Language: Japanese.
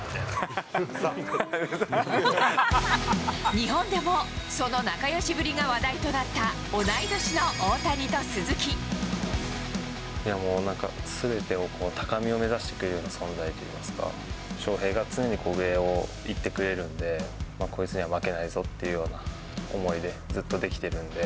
日本でもその仲よしぶりが話題となった、いやもうなんか、すべてをこう、高みを目指してくれる存在といいますか、翔平が常に上を行ってくれるんで、こいつには負けないぞっていう思いでずっとできてるんで。